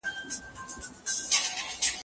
ولي پريکړي بايد د قانون پر بنسټ وسي؟